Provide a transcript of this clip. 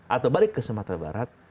atau balik ke sumatera barat